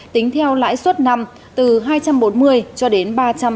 tính theo lãi suất năm từ hai trăm bốn mươi cho đến ba trăm năm mươi